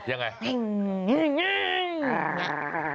ยังไง